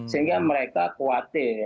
sehingga mereka khawatir